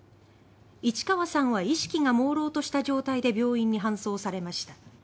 市川さんは意識が朦朧とした状態で病院に搬送されました。